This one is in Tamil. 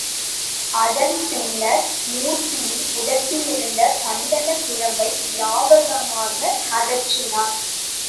அதன் பின்னர் மூர்த்தியின் உதட்டிலிருந்த சந்தனக் குழம்பை லாவகமாக அகற்றினார்.